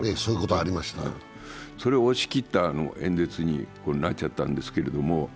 それを押し切って、あの演説になっちゃったんですけど。